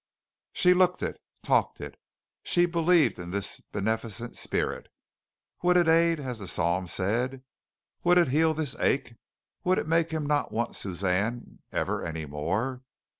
She looked it talked it. She believed in this beneficent spirit. Would it aid as the psalm said? Would it heal this ache? Would it make him not want Suzanne ever any more?